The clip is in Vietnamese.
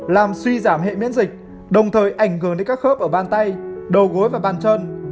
làm suy giảm hệ miễn dịch đồng thời ảnh hưởng đến các khớp ở bàn tay đầu gối và ban chân